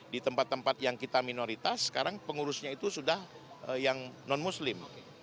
di tempat tempat yang kita minoritas sekarang pengurusnya itu sudah yang non muslim